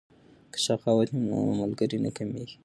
که سخاوت وي نو ملګری نه کمیږي.